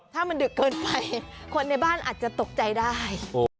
ถ้ามันดึกเกินไปคนในบ้านอาจจะตกใจได้